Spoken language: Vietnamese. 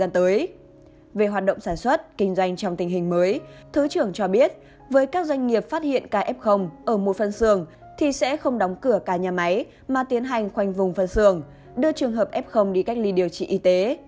thứ trưởng cho biết với các doanh nghiệp phát hiện ca f ở một phân xường thì sẽ không đóng cửa ca nhà máy mà tiến hành khoanh vùng phân xường đưa trường hợp f đi cách ly điều trị y tế